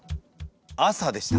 「朝」でした。